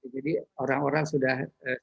jadi orang orang sudah